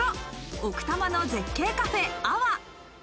奥多摩の絶景カフェＡＷＡ。